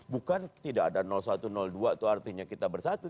bukan tidak ada satu dua itu artinya kita bersatu